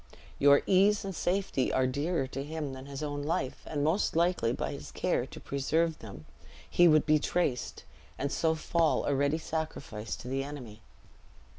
Your ease and safety are dearer to him than his own life; and most likely by his care to preserve them, he would be traced, and so fall a ready sacrifice to the enemy."